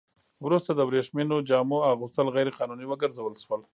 وروسته د ورېښمينو جامو اغوستل غیر قانوني وګرځول شول.